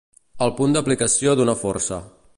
El punt d'aplicació d'una força.